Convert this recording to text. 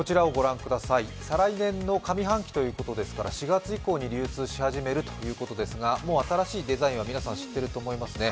再来年の上半期ということですから４月以降に流通し始めるということですが、もう新しいデザインは皆さん知っていると思いますね。